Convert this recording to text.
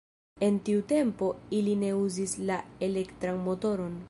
En tiu tempo, ili ne uzis la elektran motoron.